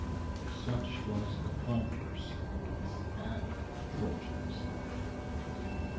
Such was the converse Greeks and Trojans held.